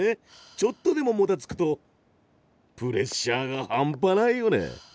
ちょっとでももたつくとプレッシャーが半端ないよね。